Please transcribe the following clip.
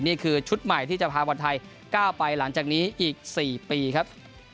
นี่คือชุดใหม่ที่จะพาบอลไทยก้าวไปหลังจากนี้อีก๔ปีครับ